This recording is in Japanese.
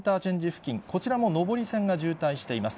付近、こちらも上り線が渋滞しています。